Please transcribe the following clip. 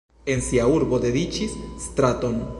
En sia urbo dediĉis straton.